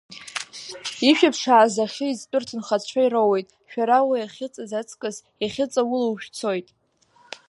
Ишәыԥшааз ахьы изтәу рҭынхацәа ироуеит, шәара уи ахьыҵаз аҵкыс иахьыҵаулоу шәцоит!